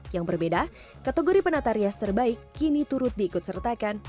yang berbeda kategori penatarias terbaik kini turut diikut sertakan